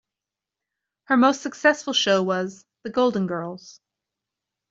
Her most successful show was "The Golden Girls".